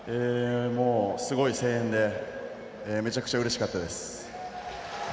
すごい声援でめちゃくちゃうれしかったです。